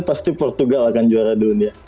pasti portugal akan juara dunia